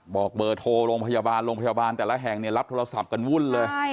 บอกเบอร์โทรโรงพยาบาลแต่ระแห่งรับโทรศัพท์กันวุ่นเลย